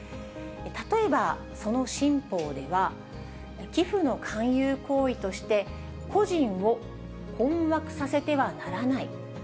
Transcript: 例えばその新法では、寄付の勧誘行為として、個人を困惑させてはならない。